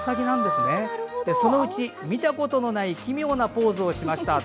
そのうち見たことのない奇妙なポーズをしました。